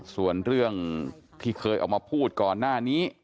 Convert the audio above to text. ส่วนเรื่องที่เคยออกมาพูดก่อนหน้านี้